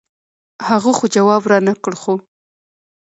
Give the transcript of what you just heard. هغه خو جواب رانۀ کړۀ خو